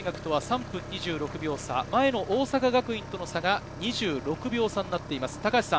先頭、トップの名城大学とは３分２６秒差、前の大阪学院との差が２６秒差になっています。